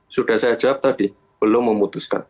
sudah saya jawab tadi belum memutuskan